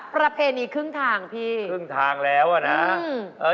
ประเพณีครึ่งทางพี่ครึ่งทางแล้วอ่ะนะ